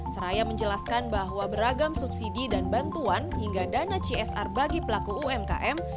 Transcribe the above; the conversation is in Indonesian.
seraya menjelaskan bahwa beragam subsidi dan bantuan hingga dana csr bagi pelaku umkm